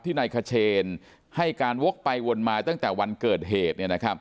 นายขเชนให้การวกไปวนมาตั้งแต่วันเกิดเหตุ